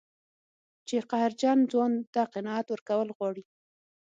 چې قهرجن ځوان ته قناعت ورکول غواړي.